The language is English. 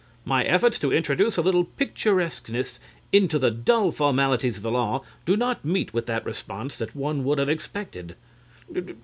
My efforts to introduce a little picturesqueness into the dull formalities of the law do not meet with that response that one would have expected.